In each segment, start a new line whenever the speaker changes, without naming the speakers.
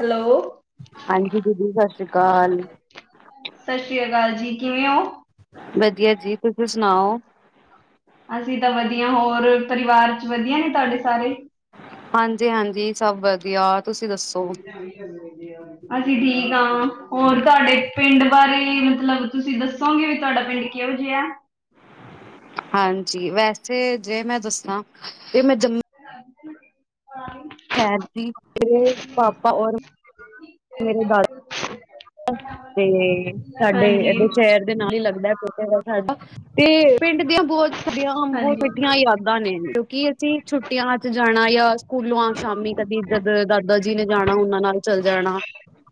Hello
ਹਾਂਜੀ ਦੀਦੀ, ਸਤਿ ਸ੍ਰੀ ਅਕਾਲ।
ਸਤਿ ਸ੍ਰੀ ਅਕਾਲ ਜੀ, ਕਿਵੇਂ ਹੋ?
ਵਧੀਆ ਜੀ, ਤੁਸੀਂ ਸੁਣਾਓ।
ਅਸੀਂ ਤਾਂ ਵਧੀਆ, ਹੋਰ ਪਰਿਵਾਰ ਚ ਵਧੀਆ ਨੇ ਤੁਹਾਡੇ ਸਾਰੇ?
ਹਾਂਜੀ-ਹਾਂਜੀ, ਸਭ ਵਧੀਆ। ਤੁਸੀਂ
[inaudible]
ਦੱਸੋ
[inaudible] ਅਸੀਂ ਠੀਕ ਹਾਂ। ਹੋਰ ਤੁਹਾਡੇ ਪਿੰਡ ਬਾਰੇ ਮਤਲਬ ਤੁਸੀਂ ਦੱਸੋਂਗੇ, ਤੁਹਾਡਾ ਪਿੰਡ ਕਿ ਕਿਹੋ ਜਿਆ?
ਹਾਂਜੀ, ਵੈਸੇ ਜੇ ਮੈਂ ਦੱਸਾਂ ਤੇ ਮੈਂ ਜੰਮ
[inaudible] [inaudible]
ਸੈਡ ਦੀ, ਤੇ ਪਾਪਾ ਔਰ ਮੇਰੇ ਦਾਦਾ ਤੇ ਸਾਡੇ
ਹਾਂਜੀ,
ਇਹਦੋ ਚੈਰ ਦੇ ਨਾਲ ਹੀ ਲੱਗਦਾ [unintelligible] ਸਾਡਾ ਤੇ ਪਿੰਡ ਦੀਆਂ ਬਹੁਤ ਸਦੀਆਂ ਬਹੁਤ
ਹਾਂਜੀ, ਹਾਂਜੀ।
ਕਠੀਆਂ ਹੀ ਆਂਦ ਦਾਨਿਨੀ, ਕਿਉਂਕਿ ਅਸੀਂ ਛੁੱਟੀਆਂ ਚ ਜਾਣਾ, ਯਾ ਜਾ ਸਕੂਲੋਂ ਸ਼ਾਮੀ ਕਦੀ ਜਦ ਦਾਦ ਦਾਦਾ ਜੀ ਨੇ ਜਾਣਾ, ਉਹਨਾਂ ਨਾਲ ਚੱਲ ਜਾਣਾ।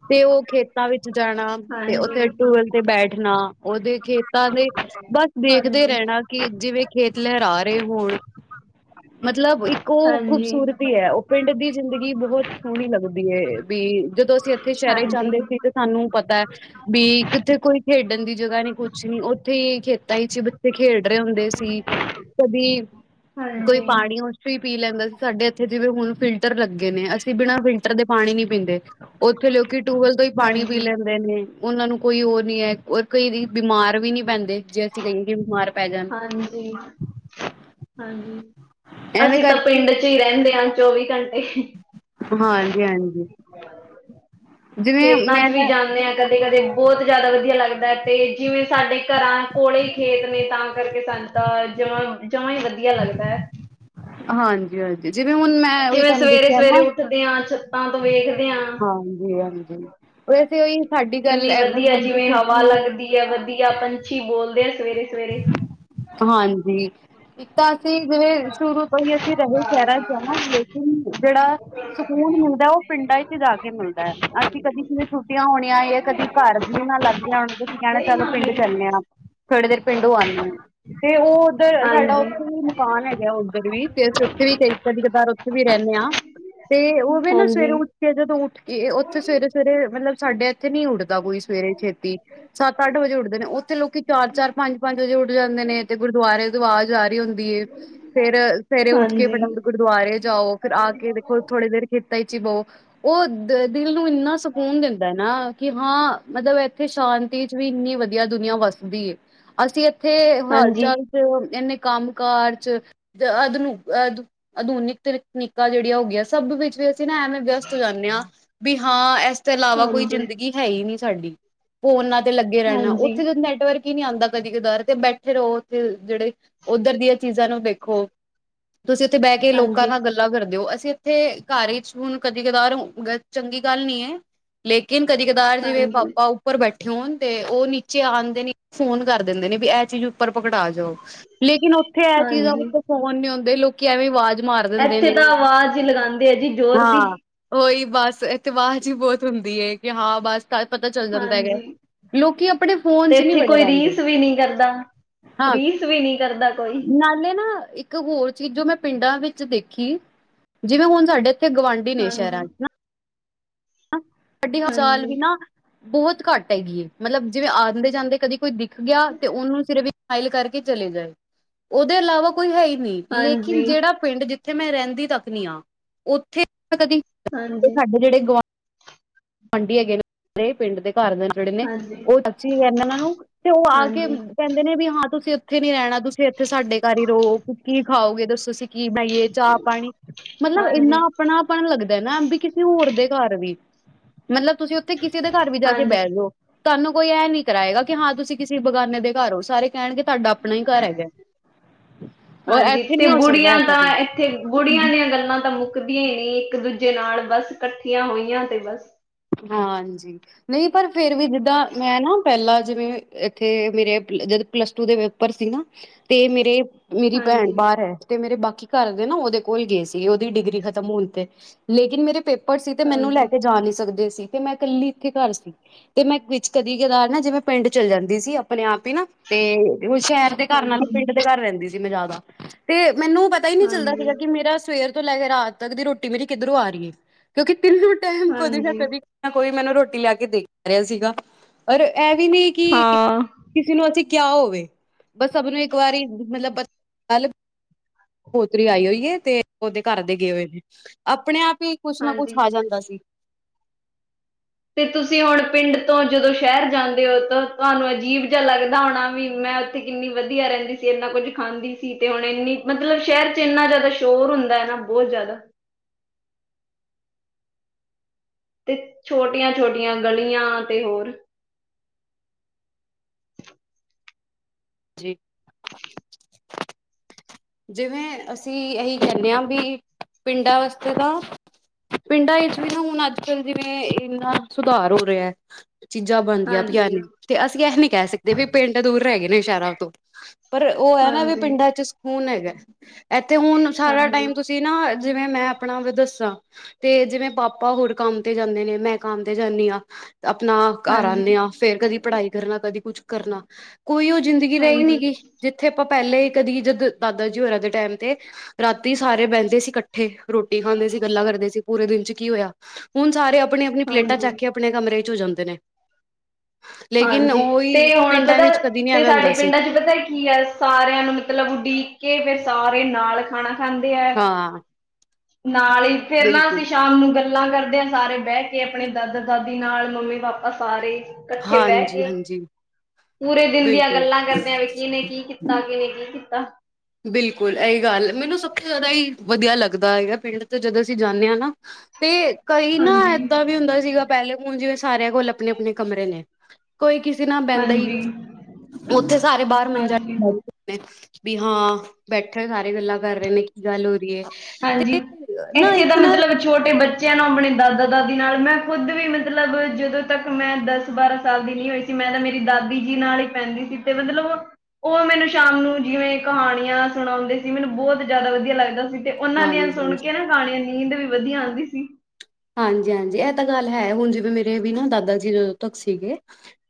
ਤੇ ਉਹ ਖੇ ਖੇਤਾਂ ਵਿੱਚ ਜਾਣਾ ਤੇ
ਹਾਂਜੀ,
ਉੱਥੇ ਟੂਅਲ ਤੇ ਬੈਠਨਾ, ਉਹਦੇ ਖੇਤਾਂ ਦੇ ਬਸ ਦੇਖਦੇ
ਹਾਂਜੀ,
ਰਹਿਣਾ ਕਿ ਜਿਵੇਂ ਖੇਤ ਲਹਿਰਾ ਰਹੇ ਹੋਣ। ਮਤਲਬ ਇੱਕ ਕੋ ਓ ਖੂਬਸੂਰਤੀ ਐ। ਉਹ ਪਿੰਡ ਦੀ ਜ਼ਿੰਦਗੀ ਬਹੁਤ ਸੋਹਣੀ ਲੱਗਦੀ ਏ, ਵੀ ਜਦੋਂ ਅਸੀਂ ਉੱਥੇ ਸ਼ਹਿਰੇ
ਹਾਂਜੀ,
ਜਾਂਦੇ ਸੀ ਤੇ ਸਾਨੂੰ ਪਤੈ ਬੀ ਕਿਥੇ ਕੋਈ ਖੇਡਣ ਦੀ ਜਗ੍ਹਾ ਨੀ, ਕੁਛ ਨੀ। ਉੱਥੇ ਹੀ ਖੇਤਾਂ ਚ ਬੱਚੇ ਖੇਡ ਰਹੇ ਹੁੰਦੇ ਸੀ। ਕਦੀ ਕੋਈ
ਹਾਂਜੀ।
ਪਾਣੀ ਉਸ ਚੋਂ ਹੀ ਪੀ ਲੈਂਦਾ ਸੀ, ਸਾਡੇ ਇੱਥੇ ਜਿਵੇਂ ਹੁਣ ਫਿਲ ਫਿਲਟਰ ਲੱਗੇ ਨੇ, ਅਸੀਂ ਬਿਨਾਂ ਫਿਲਟਰ ਦੇ ਪਾਣੀ ਨੀ ਪੀਦੇ। ਉੱਥੇ ਲੋਕੀ ਟੂਵਲ ਤੋਂ ਹੀ ਪਾਣੀ ਪੀ
ਹਾਂਜੀ,
ਲੈਂਦੇ ਨੇ। ਉਹਨਾਂ ਨੂੰ ਕੋਈ ਓ ਨੀ ਐ। ਕਈ ਬਿਮਾਰ ਵੀ ਨਹੀਂ ਪੈਂਦੇ, ਜੇ ਅਸੀਂ ਕਹੀਏ ਕਿ ਬਿਮਾਰ ਪੈ ਜਾਣ
ਹਾਂਜੀ, ਹਾਂਜੀ।
ਐਵੇਂ
ਅਸੀਂ ਤਾਂ ਪਿੰਡ
ਕਰਕੇ
ਚ ਹੀ ਰਹਿੰਦੇ ਹਾਂ, ਚੌਵੀ ਘੰਟੇ।
ਹਾਂਜੀ- ਹਾਂਜੀ ਜਿਵੇਂ
ਖੇਤਾਂ
ਮੈਂ
ਚ ਵੀ ਜਾਂਦੇ ਹਾਂ ਕਦੇ -ਕਦੇ ਬਹੁਤ ਜ਼ਿਆਦਾ ਵਧੀਆ ਲੱਗਦਾ ਹੈ ਤੇ ਜਿਵੇਂ ਸਾਡੇ ਘਰਾਂ ਕੋਲੇ ਹੀ ਖੇਤ ਨੇ ਤਾਂ ਕਰਕੇ ਸਾਨੂੰ ਤਾਂ ਜਮਾਂ -ਜਮਾਂ ਹੀ ਵਧੀਆ ਲੱਗਦਾ ਹੈ
ਹਾਂਜੀ -ਹਾਂਜੀ ਜਿਵੇਂ ਹੁਣ ਮੈਂ ਉਹੀ
ਜਿਵੇਂ
ਕਹਿੰਦੀ ਸੀ
ਸਵੇਰੇ-ਸਵੇਰੇ
ਨਾ,
ਉੱਠਦੇ ਹਾਂ ਛੱਤਾਂ ਤੋਂ ਵੇਖਦੇ ਹਾਂ
ਹਾਂਜੀ -ਹਾਂਜੀ [inaudible] ਓਹ ਤੇ ਏਹ ਸਾਡੀ ਗੱਲ
ਕਿੰਨੀ
ਐ ਗੱਲ।
ਜਿਵੇਂ ਹਵਾ ਲੱਗਦੀ ਵਧੀਆ- ਵਧੀਆ ਪੰਛੀ ਬੋਲਦੇ ਆ ਸਵੇਰੇ -ਸਵੇਰੇ
ਹਾਂਜੀ ਇੱਕ ਤਾਂ ਅਸੀਂ ਜਿਵੇਂ ਸ਼ੁਰੂ ਤੋਂ ਹੀ ਅਸੀਂ ਰਹੇ ਸ਼ਹਿਰਾਂ ਚ ਰਹੇ ਲੇਕਿਨ ਜਿਹੜਾ ਸੁਕੂਨ ਮਿਲਦਾ ਉਹ ਪਿੰਡਾਂ ਚ ਜਾ ਕੇ ਮਿਲਦਾ ਹੈ ਅਸੀਂ ਕਦੀ ਕਿਵੇਂ ਛੁਟੀਆਂ ਹੋਣੀਆਂ ਹੈ ਕਦੀ ਘਰ ਜੀ ਨਾ ਲੱਗ ਰਿਹਾ ਹੋ ਕਹਿਣਾ ਚਲੋ
ਹਾਂਜੀ,
ਪਿੰਡ ਜਾਂਦੇ ਆ ਥੋੜੇ ਦੇਰ ਪਿੰਡੋਂ ਆਂਨੇ ਆਂ, ਤੇ ਉਹ ਉੱਧਰ, ਸਾਡਾ
ਹਾਂਜੀ,
ਉੱਥੇ ਮਕਾਨ ਹੈਗੇ ਆ ਉੱਧਰ ਵੀ, ਤੇ ਅਸੀਂ ਉੱਥੇ ਵੀ ਕਈ ਕਦੀ-ਕਦਾਰ ਉੱਥੇ ਵੀ ਰਹਿੰਨੇ ਹਾਂ। ਤੇ ਓਵੇ ਨਾ ਸਵੇਰੇ‌
ਹਾਂਜੀ,
ਉ ਕੇ ਜਦੋਂ ਉੱਠਕੇ, ਉੱਥੇ ਸਵੇਰੇ-ਸਵੇਰੇ ਮਤਲਬ ਸਾਡੇ ਇੱਥੇ ਨੀ ਉੱਠਦਾ ਕੋਈ ਸਵੇਰੇ ਛੇਤੀ ਸੱਤ-ਅੱਠ ਵਜੇ ਉੱਠਦੇ ਨੇ, ਉੱਥੇ ਲੋਕੀ ਚਾਰ-ਚਾਰ ਪੰਜ-ਪੰਜ ਵਜੇ ਉੱਠ ਜਾਂਦੇ ਨੇ, ਤੇ ਗੁਰਦੁਆਰੇ ਦੀ ਆਵਾਜ਼ ਆ ਰਹੀ ਹੁੰਦੀ ਏ, ਫਿਰ ਸਵੇਰੇ ਉੱਠ ਕੇ
ਹਾਂਜੀ।
ਫਟਾਫਟ ਗੁਰਦੁਆਰੇ ਜਾਓ, ਫਿਰ ਆਕੇ ਦੇਖੋ ਥੋੜੇ ਦੇਰ ਖੇਤਾਂ'ਚ ਹੀ ਬਹੋ ਉਹ, ਦ, ਦਿਲ ਨੂੰ ਇੰਨਾ ਸਕੂਨ ਦਿੰਦਾ ਨਾ, ਕਿ, ਹਾਂ, ਮਤਲਬ ਇੱਥੇ ਸ਼ਾਂ ਤੀ'ਚ ਵੀ ਇੰਨੀ ਵਧੀਆ ਦੁਨੀਆਂ ਵੱਸਦੀ ਏ, ਅਸੀਂ ਇੱਥੇ
ਹਾਂਜੀ,
ਹਲਚਲ ਤੇ ਇਨੇ ਕੰਮ ਕਾਰ'ਚ, ਅਧਨੁ ਅਦ ਅਧੁਨਿਕ ਤਕਨੀਕਾਂ ਜਿਹੜੀਆਂ ਹੋਗੀਆਂ, ਸਭ ਵਿੱਚ ਵੀ ਅਸੀਂ ਨਾ ਐਵੇਂ ਵਿਅਸਤ ਹੋ ਜਾਂਨੇ ਹਾਂ ਬੀ, ਹਾਂ, ਐਸ ਤੋਂ ਇਲਾਵਾ ਕੋਈ
ਹਾਂਜੀ,
ਜ਼ਿੰਦਗੀ ਹੈਹੀ ਨਹੀਂ ਸਾਡੀ, ਫੋਨਾ ਤੇ ਲੱਗੇ ਰਹਿਣਾ, ਉੱਥੇ ਜਦ ਨੈਟਵਰਕ ਈ ਨਹੀਂ ਆਂਦਾ ਕਦੀ-ਕਦਾਰ, ਤੇ ਬੈਠੇ ਰਹੋ ਉੱਥੇ ਜਿਹੜੇ ਉੱਧਰ ਦੀਆਂ ਚੀਜ਼ਾਂ ਨੂੰ ਦੇੇਖੋ। ਤੁਸੀਂ ਉੱਥੇ ਬਹਿਕੇ ਲੋਕਾਂ
ਹਾਂਜੀ,
ਨਾਲ ਗੱਲ ਦਾ ਕਰਦੇ ਓ, ਅਸੀਂ ਇੱਥੇ ਘਰ ਈਚ ਹੁਣ ਕਦੀ-ਕਦਾਰ ਚੰਗੀ ਗੱਲ ਨਹੀਂ ਏ ਲੇਕੀਨ ਕਦੀ-ਕਦਾਰ ਜਿਵੇਂ
ਹਾਂਜੀ,
ਪਾਪਾ ਉੱਪਰ ਬੈਠੇ ਹੋਣ, ਤੇ ਉਹ ਨੀਚੇ ਆਂਦੇ ਨੀ ਫੋਨ ਕਰ ਦਿੰਦੇ ਨੇ, ਵੀ ਐ ਚੀਜ਼ ਉੱਪਰ ਪਕੜਾ ਜਾਓ, ਲੇਕਿਨ ਉੱਥੇ ਐ ਚੀਜ਼ਾਂ
ਹਾਂਜੀ।
ਫੋਨ ਨੀ ਹੁੰਦੇ, ਲੋਕੀ ਐਵੇਂ ਆਵਾਜ਼ ਮਾਰ ਦਿੰਦੇ
ਇੱਥੇ
ਨੇ,
ਤਾਂ ਆਵਾਜ਼ ਹੀ ਲਗਾਉਂਦੇ ਆ ਜੀ ਜ਼ੋਰ ਦੀ,
ਹਾਂ। ਉਹੀ ਬਸ ਇੱਥੇ ਆਵਾਜ਼ ਹੀ ਬਹੁਤ ਹੁੰਦੀ ਏ, ਕਿ ਹਾਂ ਬਸ ਪਤਾ ਚੱਲ ਜਾਂਦਾ ਹੈਗਾ,
ਹਾਂਜੀ।
ਲੋਕੀ ਆਪਣੇ
ਤੇ
ਫੋਨ'ਚ ਨਹੀਂ
ਇੱਥੇ
ਵੱਡ ਕਰ
ਕੋਈ
ਆਂਦੇ।
ਰੀਸ ਵੀ ਨਹੀਂ ਕਰਦਾ
ਹਾਂ,
ਰੀਸ ਵੀ ਨਹੀਂ ਕਰਦਾ ਕੋਈ
ਨਾਲੇ ਨਾ ਇੱਕ ਇੱਕ ਹੋਰ ਚੀਜ਼ ਜੋ ਮੈਂ ਪਿੰਡਾਂ ਵਿੱਚ ਦੇਖੀ, ਜਿਵੇਂ ਹੁਣ ਸਾਡੇ ਇੱਥੇ ਗਵਾੰਢੀ ਨੇ
ਹਾਂਜੀ
ਸ਼ਹਿਰਾਂ'ਚ ਨਾ ਸਾਡੀ ਚਾਲ ਵੀ
ਹਾਂਜੀ
ਨਾ ਬਹੁਤ ਘੱਟ ਹੈਗੀ ਏ, ਮਤਲਬ ਜਿਵੇਂ ਆਂਦੇ-ਜਾਂਦੇ ਕਦੀ ਕੋਈ ਦਿ ਗਿਆ, ਤੇ ਉਹਨੂੰ ਸਿਰਫ ਇੱਕ ਸਮਾਈਲ ਕਰਕੇ ਚਲੇ ਗਏ, ਉਹਦੇ ਇਲਾਵਾ ਕੋਈ ਹੈਹੀ ਨਹੀਂ। ਲੇਕਿਨ
ਹਾਂਜੀ
ਜਿਹੜਾ ਪਿੰਡ, ਜਿੱਥੇ ਮੈਂ ਰਹਿੰਦੀ ਤੱਕ ਨੀ ਆ, ਉੱਥੇ ਕਦੀ
ਹਾਂਜੀ!
ਜਿਹੜੇ ਗੁਆਂ ਗਵਾਂਢੀ ਹੈਗੇ ਨੇ, ਪਿੰਡ ਦੇ ਘਰ ਦੇ, ਜਿਹੜੇ ਨੇ
ਹਾਂਜੀ
ਉਹ ਸਚੀ ਰਹਿੰਦੇ ਇਹਨਾਂ ਨੂੰ ਤੇ ਉਹ ਆਕੇ
ਹਾਂਜੀ
ਕਹਿੰਦੇ ਨੇ ਵੀ ਹਾਂ ਤੁਸੀਂ ਉੱਥੇ ਨੀ ਰਹਿਣਾ, ਤੁਸੀਂ ਇੱਥੇ ਸਾਡੇ ਘਰ ਹੀ ਰਹੋ, ਕੀ ਖਾਓਗੇ, ਦੱਸੋ ਅਸੀਂ ਕੀ ਬਣਾਈਏ ਚਾਹ-ਪਾਣੀ, ਮਤਲਬ ਇੰਨਾ
ਹਾਂਜੀ
ਅਪਣਾਪਣ ਲੱਗਦਾ ਨਾ, ਵੀ ਕਿਸੇ ਹੋਰ ਦੇ ਘਰ ਵੀ। ਮਤਲਬ ਤੁਸੀਂ ਉੱਥੇ ਕਿਸੇ ਦੇ ਘਰ ਵੀ ਜਾਕੇ
ਹਾਂਜੀ
ਬੈਜੋ ਤੁਹਾਨੂੰ ਕੋਈ ਐ ਨੀ ਕਰਾਇਗਾ ਕਿ ਹਾਂ ਤੁਸੀਂ ਕਿਸੇ ਬਗਾਨੇ ਦੇ ਘਰ ਹੋਂ, ਸਾਰੇ ਕਹਿਣਗੇ ਤੁਹਾਡਾ ਅਪਣਾ ਹੀ ਘਰ ਹੈਗਾ, ਓਰ ਇੱਥੇ ਨੀ ਹੋ ਸਕਦਾ ਐਸਾ ਕੁ
ਇਥੇ ਬੁੜੀਆਂ ਦੀਆਂ ਗੱਲਾਂ ਤਾਂ ਮੁੱਕਦੀਆਂ ਹੀ ਨਹੀਂ, ਇੱਕ-ਦੂਜੇ ਨਾਲ, ਬਸ ਇਕੱਠੀਆਂ ਹੋਈਆਂ ਤੇ ਬਸ।
ਹਾਂਜੀ। ਨਹੀਂ ਪਰ ਫਿਰ ਵੀ ਜਿੱਦਾਂ, ਮੈਂ ਨਾ ਪਹਿਲਾਂ ਜਿਵੇਂ, ਇੱਥੇ ਮੇਰੇ ਜਦ ਪਲੱਸ-ਟੂ ਦੇ ਪਰ ਸੀ ਨਾ, ਤੇ ਮੇਰੇ, ਮੇਰੀ ਭੈਣ
ਹਾਂਜੀ
ਬਾਹਰ ਐ ਤੇ ਮੇਰੇ ਬਾਕੀ ਘਰਦੇ ਨਾ ਉਹਦੇ ਕੋਲ ਗਏ ਸੀ, ਉਹਦੀ ਡਿਗਰੀ ਖਤਮ ਹੋਈ ਤੇ, ਲੇਕਿਨ ਮੇਰੇ ਪੇਪ ਪਰ ਸੀ ਤੇ ਮੈਨੂੰ
ਹਾਂਜੀ
ਲੈਕੇ ਜਾ ਨਹੀਂ ਸਕਦੇ ਸੀ, ਤੇ ਮੈਂ ਇਕੱਲੀ ਇੱਥੇ ਘਰ ਸੀ ਤੇ ਮੈਂ ਵਿੱਚ ਕਦੀ-ਕਦਾਰ ਨਾ ਜਿਵੇਂ ਪਿੰਡ ਚੱਲ ਜਾਂਦੀ ਸੀ ਨਾ, ਅਪਣੇ-ਆਪ ਹੀ ਨਾ ਤੇ ਉਹ ਸ਼ਹਿਰ ਦੇ ਘਰ ਨਾਲੋ
ਹਾਂਜੀ
ਪਿੰਡ ਦੇ ਘਰ ਰਹਿੰਦੀ ਸੀ ਮੈਂ ਜ਼ਿਆਦਾ, ਤੇ ਮੈਨੂੰ ਪ ਪਤਾ ਹੀ ਨਹੀਂ ਚੱਲਦਾ ਸੀਗਾ,
ਹਾਂਜੀ
ਕਿ ਮੇਰਾ ਸਵੇਰ ਤੋਂ ਲੈਕੇ ਰਾਤ ਤੱਕ ਦੀ ਰ੍ਹੋਟੀ ਮੇਰੀ ਕਿੱਧਰੋਂ ਆ ਰਹੀ ਏ, ਕਿਉਂਕਿ ਤਿੰਨੋ ਟਾ ਟਾਇਮ, ਕਦੀ ਨਾ
ਹਾਂਜੀ
ਕਦੀ, ਕੋਈ ਮੈਨੂੰ ਰ੍ਹੋਟੀ ਲੈਕੇ ਦੇ ਰਿਹਾ ਸੀਗਾ, ਔਰ ਐ ਵੀ ਨਹੀਂ ਕਿ
ਹਾਂ
ਕਿਸੇ ਨੂੰ ਅਸੀਂ ਕਿਆ ਹੋਵੇ, ਬਸ ਸਭ ਨੂੰ ਇੱਕ ਵਾਰੀ ਮਤਲਬ ਗੱਲ ਪੋਤਰੀ ਆਈ ਹੋਈਏ, ਤੇ ਉਹਦੇ ਘਰ ਦੇ ਗਏ ਹੋਏ ਨੇ, ਅਪਣੇ-ਆਪ ਹੀ ਕੁਛ ਨਾ ਕੁਛ
ਹਾਂਜੀ
ਆ ਜਾਂਦਾ ਸੀ।
ਤੇ ਤੁਸੀਂ ਹੁਣ ਪਿੰਡ ਤੋਂ ਜਦੋਂ ਸ਼ਹਿਰ ਜਾਂਦੇ ਹੋ, ਤਾਂ ਤੁਹਾਨੂੰ ਅਜੀਬ ਜਿਹਾ ਲੱਗਦਾ ਹੋਣਾ ਵੀ, ਮੈਂ ਥੇ ਕਿੰਨੀ ਵਧੀਆ ਰਹਿੰਦੀ ਸੀ, ਇੰਨਾ ਕੁੱਝ ਖਾਂਦੀ ਸੀ, ਤੇ ਹੁਣ ਇੰਨੀ, ਮਤਲਬ ਸ਼ਹਿਰ'ਚ ਇੰਨਾ ਜ਼ਿਆਦਾ ਸ਼ੋਰ ਹੁੰਦਾ ਨਾ ਬਹੁਤ ਜ਼ਿਆਦਾ। ਤੇ, ਛੋਟੀਆਂ-ਛੋਟੀਆਂ ਗਲੀਆਂ ਤੇ ਹੋਰ
ਜੀ, ਜਿਵੇਂ ਅਸੀਂ ਇਹੀ ਕਹਿੰਦੇ ਹਾਂ, ਵੀ ਪਿੰਡਾਂ ਵਾਸਤੇ ਤਾਂ ਪਿੰਡਾਂ ਵਿੱਚ ਵੀ ਨਾ ਹੁਣ ਅੱਜ-ਕੱਲ੍ਹ ਜਿਵੇਂ ਇੰਨਾ ਸੁਧਾਰ ਹੋ ਰਿਹਾ ਹੈ। ਚੀਜ਼ਾਂ ਬਣਦੀਆਂ ਪਈਆ
ਹਾਂਜੀ,
ਨੇ ਤੇ ਅਸੀਂ ਇਹ ਨੀ ਕਹਿ ਸਕਦੇ, ਵੀ ਪਿੰਡ ਦੂਰ ਰਹਿ ਗਏ ਨੇ ਸ਼ਹਿਰਾਂ ਤੋਂ ਪਰ ਉਹ ਹੈ ਨਾ ਵੀ
ਹਾਂਜੀ, ਹਾਂਜੀ,
ਪਿੰਡਾਂ ਚ ਸਕੂਨ ਹੈਗਾ, ਇੱਥੇ ਹੁਣ ਸਾਰਾ ਟਾਈਮ ਤੁਸੀਂ ਤੇ ਨਾ ਜਿਵੇਂ ਮੈਂ ਆਪਣਾ ਦੱਸਾਂ ਤੇ ਜਿਵੇਂ ਪਾਪਾ ਹੋਰ ਕੰਮ ਤੇ ਜਾਂਦੇ, ਨੇ ਮੈਂ ਕੰਮ ਤੇ ਜਾਂਦੀ ਹਾਂ। ਆਪਣਾ ਘਰ
ਹਾਂਜੀ,
ਆਉਂਦੇ, ਹਾਂ ਫੇਰ ਕਦੀ ਪੜ੍ਹਾਈ ਕਰਨਾ ਕਦੀ ਕੁਛ ਕਰਨਾ। ਕੋਈ ਉਹ ਜ਼ਿੰਦਗੀ ਰਹਿ ਹੀ ਨੀ
ਹਾਂਜੀ,
ਗੀ, ਜਿੱਥੇ ਆਪਾਂ ਪਹਿਲਾਂ ਹੀ ਕਦੀ ਜਦ ਦਾਦਾ ਜੀ ਹੋਰਾਂ ਦੇ ਟਾਈਮ ਤੇ, ਰਾਤੀ ਸਾਰੇ ਬਹਿੰਦੇ ਸੀ ਇਕੱਠੇ ਰੋਟੀ ਖਾਂਦੇ ਸੀ, ਗੱਲਾਂ ਕਰਦੇ ਸੀ ਪੂਰੇ ਦਿਨ ਚ ਕੀ ਹੋਇਆ। ਹੁਣ ਸਾਰੇ ਆਪਣੀ ਆਪਣੀ ਪਲੇਟਾਂ ਚੱਕ
ਹਾਂਜੀ,
ਕੇ ਆਪਣੇ ਕਮਰੇ ਚ ਹੋ ਜਾਂਦੇ ਨੇ ਲੇਕਿਨ
ਹਾਂਜੀ ਤੇ
ਉਹੀ
ਹੁਣ
ਪਿੰਡਾਂ
ਪਤਾ
ਵਿੱਚ ਕਦੀ ਨੀ
ਤੇ
ਐਵੇਂ ਹੁੰਦਾ
ਸਾਡੇ
ਸੀ
ਪਿੰਡਾਂ ਚ ਪਤਾ ਕੀ ਆ। ਸਾਰਿਆਂ ਨੂੰ ਮਤਲਬ ਉਡੀਕ ਕੇ ਫੇਰ ਸਾਰੇ ਨਾਲ ਖਾਣਾ ਖਾਂਦੇ ਹੈ।
ਹਾਂ
ਨਾਲ ਹੀ ਫੇਰ ਨਾ
ਬਿਲਕੁਲ।
ਅਸੀਂ ਸ਼ਾਮ ਨੂੰ ਗੱਲਾਂ ਕਰਦੇ ਹਾਂ। ਸਾਰੇ ਬਹਿ ਕੇ ਆਪਣੇ ਦਾਦਾ ਦਾਦੀ ਨਾਲ ਮੰਮੀ ਪਾਪਾ ਸਾਰੇ, ਇਕੱਠੇ ਬਹਿ
ਹਾਂਜੀ
ਕੇ
ਹਾਂਜੀ
ਪੂਰੇ ਦਿਨ ਦੀਆਂ
ਬਿਲਕੁਲ
ਗੱਲਾਂ ਕਰਦਿਆਂ ਵੀ ਕੀਨੇ ਕੀ, ਤਕੇ ਨੇ ਕੀ ਕੀਤਾ।
ਬਿਲਕੁਲ ਇਹੀ ਗੱਲ ਮੈਨੂੰ ਸਭ ਤੋਂ ਜ਼ਿਆਦਾ ਹੀ ਵਧੀਆ ਲੱਗਦਾ ਹੈਗਾ, ਪਿੰਡ ਤੋਂ ਜਦੋਂ ਅਸੀਂ ਜਾਂਦੇ ਹਾਂ ਨਾ। ਤੇ ਕਈ ਨਾ
ਹਾਂਜੀ
ਏਦਾਂ ਵੀ ਹੁੰਦਾ ਸੀਗਾ ਪਹਿਲੇ ਹੁਣ ਜਿਵੇਂ ਸਾਰਿਆਂ ਕੋਲ ਆਪਣੇ ਆਪਣੇ ਕਮਰੇ ਨੇ, ਕੋਈ ਕਿਸੇ ਨਾਲ ਬਹਿੰਦਾ ਹੀ
ਹਾਂਜੀ
ਉੱਥੇ ਸਾਰੇ ਬਾਹਰ ਮੰਜਾ
ਹਾਂਜੀ
ਵੀ ਹਾਂ ਬੈਠੇ ਸਾਰੇ ਗੱਲਾਂ ਕਰ ਰਹੇ ਨੇ ਕੀ ਗੱਲ ਹੋ ਰਹੀ ਹੈ।
ਹਾਂਜੀ
ਤੇ ਨਾ
ਇੱਥੇ ਦਾ
ਇੱਕ ਨਾ
ਮਤਲਬ ਛੋਟੇ ਬੱਚਿਆਂ ਨੂੰ ਆਪਣੇ ਦਾਦਾ-ਦਾਦੀ ਨਾਲ ਮੈਂ ਖੁਦ ਵੀ ਮਤਲਬ, ਜਦੋਂ ਤੱਕ ਮੈਂ ਦਸ ਬਾਰਾਂ ਸਾਲ ਦੀ ਨਹੀਂ ਹੋਈ। ਮੈਂ ਤਾਂ ਮੇਰੀ ਦਾਦੀ ਜੀ ਨਾਲ ਹੀ ਪੈਂਦੀ ਸੀ ਤੇ ਮਤਲਬ ਉਹ ਮੈਨੂੰ ਸ਼ਾਮ ਨੂੰ ਜਿਵੇਂ ਕਹਾਣੀਆਂ ਸੁਣਾਉਂਦੇ ਸੀ, ਮੈਨੂੰ ਬਹੁਤ ਜ ਜ਼ਿਆਦਾ ਵਧੀਆ ਲੱਗਦਾ ਸੀ। ਤੇ ਉਹਨਾਂ ਦੀਆਂ
ਹਾਂਜੀ
ਸੁਣ
ਹਾਂਜੀ
ਕੇ ਨਾ ਗਾਣ ਨੀਂਦ ਵੀ ਵਧੀਆ ਆਉਂਦੀ ਸੀ।
ਹਾਂਜੀ-ਹਾਂਜੀ ਇਹ ਤਾਂ ਗੱਲ ਹੈ, ਹੁਣ ਜਿਵੇਂ ਮੇਰੇ ਵੀ ਨਾ ਦਾਦਾ ਜੀ ਜਦੋਂ ਤੱਕ ਸੀਗੇ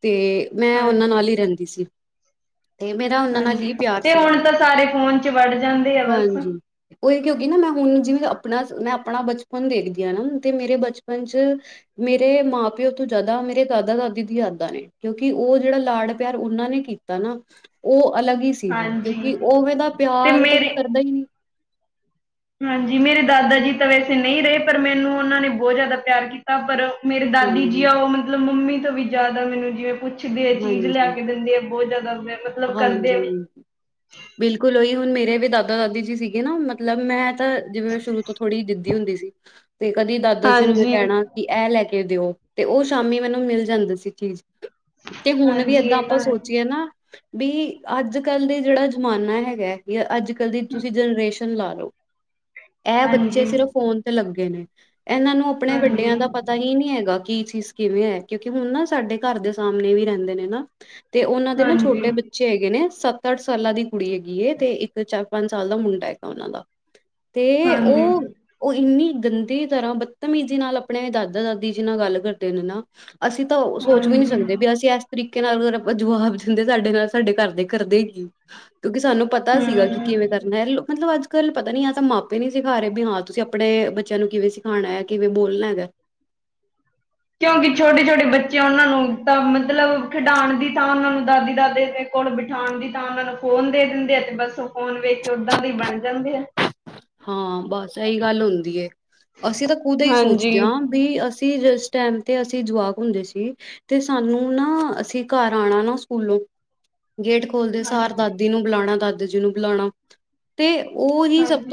ਤੇ ਮੈਂ ਉਹਨਾਂ
ਹਾਂਜੀ
ਨਾਲ ਹੀ ਰਹਿੰਦੀ ਸੀ। ਤੇ ਮੇਰਾ ਉਹਨਾਂ ਨਾਲ ਹੀ
ਹਾਂਜੀ
ਪਿਆਰ
ਤੇ
ਸੀਗਾ
ਹੁਣ ਤਾਂ ਸਾਰੇ ਫੋਨ 'ਚ ਵੜ ਜਾਂਦੇ ਆ ਬਸ
ਹਾਂਜੀ। ਉ ਇਹ ਕਿਉਂਕਿ ਨਾ ਮੈਂ ਹੁਣ ਜਿਵੇਂ, ਆਪਣਾ ਮੈਂ ਆਪਣਾ ਬਚਪਨ ਦੇਖਦੀ ਹਾਂ ਨਾ ਤੇ ਮੇਰੇ ਬਚਪਨ ਚ ਮੇਰੇ ਮਾਂ ਪਿਓ ਤੋਂ ਜ਼ਿਆਦਾ ਮੇਰੇ ਦਾਦਾ ਦਾਦੀ ਦੀ ਯਦਾਂ ਨੇ, ਕਿਉਂਕਿ ਉਹ ਜਿਹੜਾ ਲਾਡ ਪਿਆਰ ਉਹਨਾਂ ਨੇ ਕੀਤਾ। ਉਹ ਅਲੱਗ ਹੀ ਸੀਗਾ,
ਹਾਂਜੀ
ਕਿਉਂਕਿ ਉਹਦਾ
ਤੇ
ਪਿਆਰ ਤਾਂ ਕੋਈ
ਮੇਰੇ
ਕਰਦਾ ਹੀ ਨਹੀਂ
ਹਾਂਜੀ ਮੇਰੇ ਦਾਦਾ ਜੀ ਤਾਂ ਵੈਸੇ ਨਹੀਂ ਰਹੇ, ਪਰ ਮੈਨੂੰ ਉਹਨਾਂ ਨੇ ਬਹੁਤ ਜ਼ਿਆਦਾ ਪਿਆਰ ਕੀਤਾ। ਤਾਂ ਪਰ ਮੇਰੇ ਦਾਦੀ ਜੀ
ਹਾਂਜੀ।
ਆ, ਉਹ ਮਤਲਬ ਮੰਮੀ ਤੋਂ ਵੀ ਜ਼ਿਆਦਾ ਮੈਨੂੰ ਜਿਵੇਂ ਪੁੱਛਦੇ ਆ ਚੀਜ਼ ਲਿਆ
ਹਾਂਜੀ,
ਕੇ ਦਿੰਦੇ, ਆ ਬਹੁਤ ਜ਼ਿਆਦਾ ਮ'-
ਹਾਂਜੀ ਬਿਲਕੁਲ, ਉਹੀ ਹੁਣ ਮੇਰੇ ਵੀ ਦਾਦਾ ਦਾਦੀ ਜੀ ਸੀਗੇ ਨਾ ਮਤਲਬ ਮੈਂ ਤਾਂ ਜਿਵੇਂ ਸ਼ੁਰੂ ਤੋਂ ਥੋੜੀ ਜਿੱਦੀ ਹੁੰਦੀ ਸੀ, ਤੇ ਕਦੀ ਦਾਦਾ ਜੀ ਨੂੰ ਮੈਂ
ਹਾਂਜੀ
ਕਹਿਣਾ ਕਿ ਇਹ ਲੈ ਕੇ ਦਿਓ ਤੇ ਉਹ ਸ਼ਾਮੀ ਮੈਨੂੰ ਮਿਲ ਜਾਂਦਾ ਸੀ, ਚੀਜ਼ ਤੇ ਹੁਨ ਵੀ
ਹਾਂਜੀ
ਏਦਾਂ
ਇਹ
ਆਪਾਂ
ਤਾਂ ਹੈ
ਸੋਚੀਏ ਨਾ ਬੀ ਅਜ ਕਲ ਦੇ ਜੇੜਾ ਜਮਾਨਾ ਹੈਗਾ, ਯਾ ਅਜ ਕਲ ਦੀ ਤੂਸੀ ਜਨਰੇਸ਼ਨ ਲਾਲੋ, ਏ ਬੱਚੇ
ਹਾਂਜੀ ਹਾਂਜੀ
ਸ੍ਰਿਫ ਫੋਨ ਤੇ ਲੱਗੇ ਨੇ, ਏਨਾਂ ਨੂ ਅਪਣੇ
ਹਾਂਜੀ
ਵਡਿਆਂ ਦਾ ਪਤ ਪਤਾ ਹੀ ਨੀ ਹੈਗਾ, ਕਿ ਚੀਜ਼ ਕਿਵੇਂ ਐ ਕਿਉਂਕਿ ਹੁਨ ਨਾ ਸਾਡੇ ਘਾਰ ਦੇ ਸਾਮਨੇ ਵੀ ਰੈਂਦੇ ਨੇ ਨਾ ਤੇ ਓਨਾ ਦੇ ਨਾ ਛੋਟੇ ਬ ਬੱਚੇ ਹੈਗੇ ਨੇ ਸਤ, ਅਠ ਸਾਲਾਂ ਦੀ ਕੁੜੀ ਹੈਗੀ ਏ, ਤੇ ਇਕ ਚਾਰ, ਪੰਜ ਸਾਲ ਦਾ ਮੁੰਡਾ ਹੈਗਾ ਓਨਾ ਦਾ। ਤੇ,
ਹਾਂਜੀ
ਓ ਓ ਇਨੀ ਗੰਦੀ ਤਰਾਂ ਬਤਮੀਜੀ ਨਾਲ ਅਪਣੇ ਦਾਦਾ ਦਾਦੀ ਜੀ, ਨਾਲ ਗਲ ਕਰਦੇ ਨੇ ਨਾ ਅਸੀ ਤਾ ਓ ਸੋਚ ਵੀ ਨੀ
ਹਾਂਜੀ
ਸਕਦੇ, ਬੀ ਅਸੀ ਏਸ ਤਰੀਕੇ ਨਾਲ ਅਗਰ ਅਪਾ ਜਵਾਬ ਦੇਂਦੇ ਸਾਡੇ ਨਾਲ ਸਾਡੇ ਘਰਦੇ ਕਰਦੇ ਕੀ, ਕਿਉਂਕਿ ਸਾਨੂ ਪਤਾ ਸੀਗਾ ਕਿ ਕਿਵੇਂ
ਹੂੰ
ਕਰਨੈ ਮਤਲਬ ਅਜ ਕਲ ਪਤਾ ਨੀ ਯਾ ਤਾਂ ਮਾਪੇ ਨੀ ਸਿਖਾਰੇ ਬੀ ਹਾਂ ਤੂਸੀ ਅਪਣੇ, ਬੱਚੇਆਂ ਨੂ ਕਿਵੇਂ ਸਿ ਖਾਣੈ, ਕਿਵੇਂ ਬੋਲਨਾ ਹੈਗਾ?
ਕਿਉਂਕਿ ਛੋਟੇ ਛੋਟੇ ਬੱਚੇ ਓਨਾਂ ਨੂ ਤਾਂ ਮਤਲਬ ਖਡਾਣ ਦੀ ਥਾਂ ਓਨਾਂ ਨੂ ਦਾਦੀ ਦਾਦੇ ਤੇ ਕੋਲ ਬਿਠਾਨ ਦੀ ਥਾਂ ਓਨਾ ਨੂ ਫੋਨ ਦੇ ਦਿੰਦੈ ਤੇ ਬਸ ਓ ਫ਼ੋਨ ਵੇਖ ਕੇ ਓਦਾਂ ਦੇ ਈ ਬਣ ਜਾਂਦੈ ਹੈ।
ਹਾਂ ਬਸ ਇਹੀ ਗੱਲ ਹੁੰਦੀ ਏ ਅਸੀਂ ਤਾਂ ਖੁਦ ਏਹਿ ਸੋਚਦੇ
ਹਾਂਜੀ।
ਹਾਂ ਵੀ ਅਸੀਂ ਜਿਸ ਟਾਈਮ ਤੇ ਅਸੀਂ ਜਵਾਕ ਹੁੰਦੇ ਸੀ, ਤੇ ਸਾਨੂ ਨਾ, ਅਸੀ ਘਾਰ ਆਣਾ ਨਾ ਸੂਕੂਲੋਂ ਗੇਟ ਬੋਲਦੇ ਸਾਰ
ਹਾਂਜੀ,
ਦਾਦੀ ਨੂ ਬੁਲਾਣਾ, ਦਾਦਾ ਜੀ ਨੂ ਬੁਲਾਣਾ, ਤੇ ਓ ਹੀ ਸਬ
ਹਾਂਜੀ,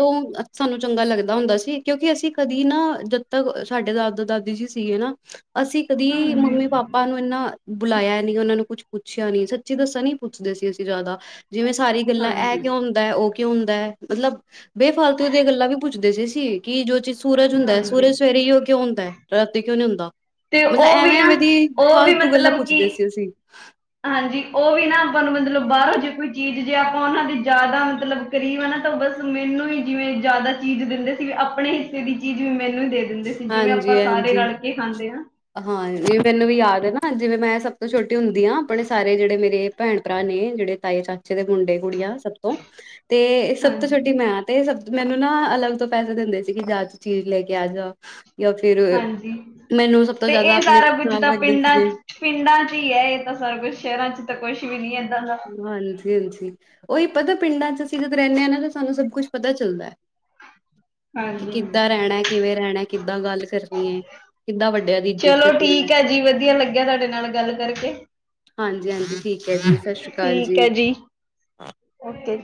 ਸਾਨੂ ਚੰਗਾ ਲਗਦਾ ਹੁੰਦਾ ਸੀ ਕਿਉਂਕਿ ਅਸੀ ਕਦੀ ਨਾ, ਜਦ ਤਕ ਸਾਡੇ ਦਾਦਾ ਦਾਦੀ ਜੀ ਸੀਗੇ ਨਾ ਅਸੀ ਕਦੀ
ਹਾਂਜੀ।
ਮੰਮੀ ਪਾਪਾ ਆਪਾਂ ਨੂ ਏਨਾ, ਬੁਲਾਆ ਨੀ ਓਨਾਂ ਨੂ ਕੁੱਛ ਪੁੱਛੇਆ ਨੀ, ਸੱਚੀ ਦਸਾਂ ਨੀ ਪੁੱਛਦੇ ਸੀ ਅਸੀ ਜਾਦਾ ਜਿਵੇਂ ਸਾਰੇ ਗਲਾ ਐ
ਹਾਂਜੀ,
ਕਉਂ ਹੁੰਦੈ, ਓ ਕਉਂ ਹੁੰਦੈ ਮਤਲਬ ਬੇਫਾਲਤੂ ਦੀਆਂ ਗੱਲਾਂ ਵੀ ਪੁੱਛਦੇ ਸੀ ਅਸੀ ਕਿ ਜੋ ਚੀਜ ਸੂਰਜ ਹੁੰਦੈ,
ਹਾਂਜੀ
ਸੂਰਜ ਸਵੇਰੇ ਹੀ ਓ ਕਉਂ ਹੁੰਦੈ, ਰਾਤੀ ਕਉਂ ਨੀ ਹੁੰਦਾ?
ਤੇ
ਮਤਲਬ
ਉਹ ਵੀ
ਐਵੇਂ,
ਨਾ
ਐਵੇਂ ਦੀ
ਉਹ ਵੀ
ਫਾਲਤੂ ਗਲਾਂ
ਮਤਲਬ
ਪੁੱਛਦੇ
ਕਿ
ਸੀ ਅਸੀ।
ਹਾਂਜੀ, ਓਵੀ ਨਾ ਆਪਾਂ ਨੂ ਮਤਲਬ ਬਾਰੋਂ ਜੇ ਕੋਈ ਚੀਜ ਜੇ ਆਪਾਂ ਓਨਾਂ ਦੇ ਜਾਦਾ ਮਤਲਬ ਗਰੀਬ ਆ ਨਾ ਤਾ ਬਸ ਮੈਨੂ ਈ ਜਿਵੇਂ ਜਾਦਾ ਚੀਜ ਦੇਂਦੇ ਸੀ ਵੀ ਅਪਣੇ ਹਿੱਸੇ ਦੀ ਚੀਜ ਵੀ ਮੈਨੂ ਈ ਦੇ ਦਿੰਦੇ ਸੀ ਜਿਵੇਂ ਆਪਾਂ ਸਾਰੇ
ਹਾਂਜੀ-ਹਾਂਜੀ।
ਰਲਕੇ ਖਾਂਦੇ ਹਾਂ।
ਹਾਂ ਏ ਮੈਨੂ ਵੀ ਯਾਦ ਏ ਨਾ, ਜਿਵੇਂ ਮੈਂ ਸਬ ਤੋਂ ਛੋਟੀ ਹੁੰਦੀ ਆਂ ਅਪਣੇ ਸਾਰੇ ਜੇੜੇ ਮੇਰੇ ਭੈਣ ਭਰਾ ਨੇ ਜਿਹੜੇ ਤਾਏ, ਚਾਚੇ ਦੇ ਮੁੰਡੇ, ਕੁੜੀਆਂ ਸਬ ਤੋਂ ਤੇ, ਸਬ ਤੋ
ਹਾਂਜੀ
ਛੋਟੀ ਮੈਂ ਆਂ ਤੇ ਸਬ ਮੈਨੂ ਨਾ, ਅਲਗ ਤੋਂ ਪੈਸੇ ਦਿੰਦੇ ਸੀ ਕਿ ਜਾ ਤੁ ਚੀਜ ਲੈ ਕੇ ਆ ਜਾ ਯਾ ਫਿਰ,
ਹਾਂਜੀ
ਮੈਨੂ ਸਬ ਤੋਂ
ਤੇ
ਜਾਦਾ
ਇਹ
ਅਪਨੇ
ਸਾਰਾ ਕੁਝ
ਨਾਲ
ਤਾਂ
ਰਖਦੇ
ਪਿੰਡਾਂ
ਸੀਗੇ।
'ਚ ਪਿੰਡਾਂ ਚੀ ਏ ਏਤਾਂ ਸਾਰਾ ਕੁਛ ਸ਼ਹਿਰਾਂ ਵਿਚ ਤਾਂ ਕੁੱਸ਼ ਵੀ ਨੀ ਏਦਾਂ ਦਾ।
ਹਾਂਜੀ, ਹਾਂਜੀ ਓਈ ਪਤਾ ਪਿੰਡਾਂ ਚ ਅਸੀ ਜਦ ਰੈਨੇ ਆਨਾ ਤਾ ਸਾਨੂ ਸਬ ਕੁੱਛ ਪਤਾ ਚਲਦੈ।
[inaudible]
ਕਿ ਕਿੱਦਾਂ ਰੈਣਾ, ਕਿਵੇਂ ਰੈਣਾ, ਕਿੱਦਾਂ ਗਲ ਕਰਨੀ ਏ?
ਚਲੋ ਠੀਕੈ ਹੈ ਜੀ ਵਦੀਆ ਲਗੇਆ ਤੂਆਡੇ ਨਾਲ ਗਲ ਕਰਕੇ।
ਹਾਂਜੀ, ਹਾਂਜੀ ਠੀਕ ਐ ਜੀ ਸਤ ਸ਼੍ਰੀ ਅਕਾਲ
ਠੀਕ
ਜੀ।
ਹੈ ਓਕੇ।